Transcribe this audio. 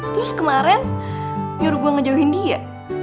terus kemarin nyuruh gue ngejauhin dia